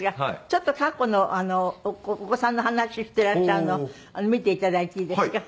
ちょっと過去のお子さんの話していらっしゃるのを見て頂いていいですか？